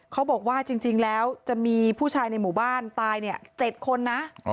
เขาบอกว่าจริงแล้วจะมีผู้ชายในหมู่บ้านตาย๗คนนะ